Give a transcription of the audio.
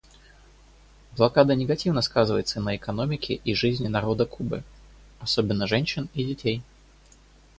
Блокада негативно сказывается на экономике и жизни народа Кубы, особенно женщин и детей.